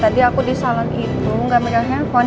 tadi aku di salon itu gak megang handphone